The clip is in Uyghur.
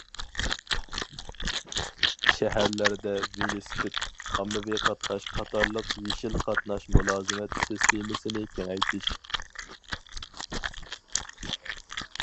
شەھەرلەردە ۋېلىسىپىت، ئاممىۋى قاتناش قاتارلىق يېشىل قاتناش مۇلازىمەت سىستېمىسىنى كېڭەيتىش.